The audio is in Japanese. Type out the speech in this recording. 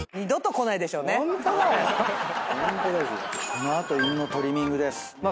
その後犬のトリミングです。